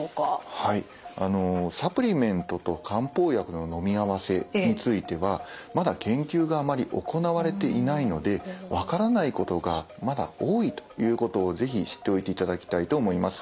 サプリメントと漢方薬ののみ合わせについてはまだ研究があまり行われていないので分からないことがまだ多いということを是非知っておいていただきたいと思います。